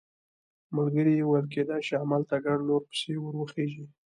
ملګري یې وویل کېدای شي همالته ګڼ نور پسې ور وخېژي.